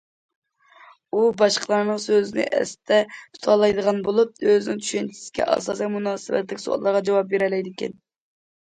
ئۇ باشقىلارنىڭ سۆزىنى ئەستە تۇتالايدىغان بولۇپ، ئۆزىنىڭ چۈشەنچىسىگە ئاساسەن مۇناسىۋەتلىك سوئاللارغا جاۋاب بېرەلەيدىكەن.